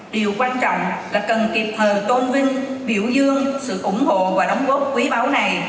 điều quan trọng là cần kịp thời tôn vinh biểu dương sự ủng hộ và đóng góp quý báu này